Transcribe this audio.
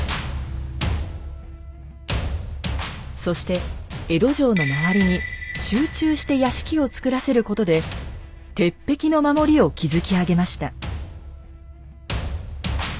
そして江戸城の周りに集中して屋敷を造らせることで鉄壁の守りを築き上げました。